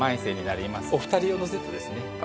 お２人用のセットですね。